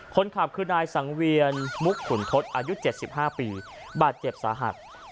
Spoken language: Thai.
คนขับคือนายสังเวียนมุกขุนทศอายุ๗๕ปีบาดเจ็บสาหัส